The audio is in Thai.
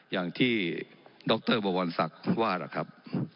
อย่างที่ดรบวรศักดิ์ว่าล่ะครับ